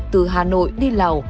từ hà nội đi lào